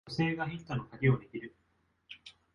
女性がヒットのカギを握る